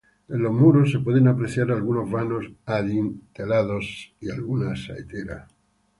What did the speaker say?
En los muros se pueden apreciar algunos vanos adintelados y alguna saetera.